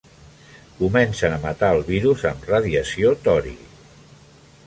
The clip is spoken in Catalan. Comencen a matar el virus amb radiació tori.